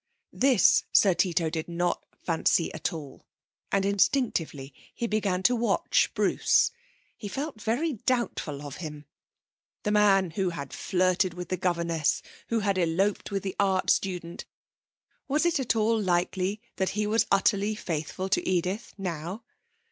This Sir Tito did not fancy at all, and instinctively he began to watch Bruce. He felt very doubtful of him. The man who had flirted with the governess, who had eloped with the art student was it at all likely that he was utterly faithful to Edith now?